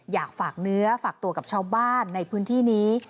อยากฝากเนื้อฝากตัวกับชาวบ้านในพื้นที่นี้